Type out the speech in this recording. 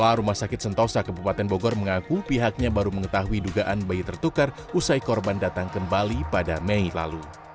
kepala rumah sakit sentosa kebupaten bogor mengaku pihaknya baru mengetahui dugaan bayi tertukar usai korban datang kembali pada mei lalu